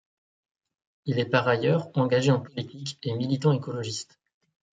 Il est par ailleurs engagé en politique et militant écologiste.